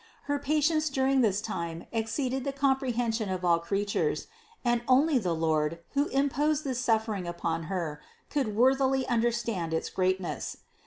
Her patience during this time exceeds the comprehension of all crea tures ; and only the Lord who imposed this suffering upon Her, could worthily understand its greatness.